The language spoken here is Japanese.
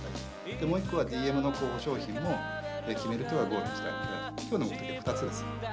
でもう一個がＤＭの候補商品も決めるっていうのがゴールにしたいので今日の目的は２つです。